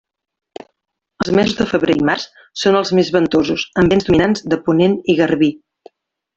Els mesos de febrer i març són els més ventosos, amb vents dominants de ponent i garbí.